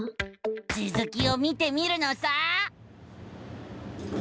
つづきを見てみるのさ！